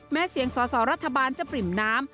แม้เสียงสอสอรัฐบาลจะปริ่มน้ำ